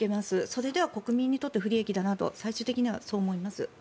それでは国民にとって不利益だなと最終的にそう思います。